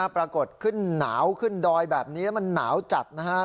ปรากฏขึ้นหนาวขึ้นดอยแบบนี้แล้วมันหนาวจัดนะครับ